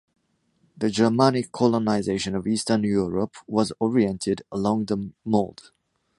The Germanic colonization of Eastern Europe was oriented along the Mulde.